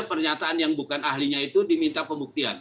pernyataan yang bukan ahlinya itu diminta pembuktian